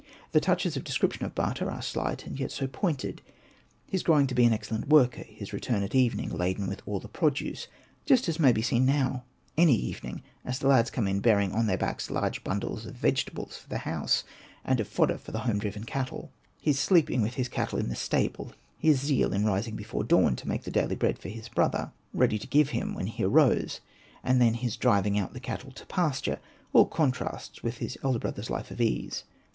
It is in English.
The touches of description of Bata are sHght, and yet so pointed. His growing to be an excellent worker ; his return at evening laden with all the produce, just as may be seen now any evening as the lads come in bearing on their backs large bundles of vegetables for the house, and of fodder for the home driven cattle ; his sleeping with his cattle in the stable ; his zeal in rising before dawn to make the daily bread for his brother, ready to give him when he arose ; and then his driving out the cattle to pasture — all contrasts with his elder brother's life of ease.